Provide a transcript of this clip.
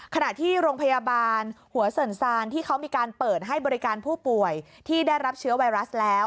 ขณะที่โรงพยาบาลหัวเสริญซานที่เขามีการเปิดให้บริการผู้ป่วยที่ได้รับเชื้อไวรัสแล้ว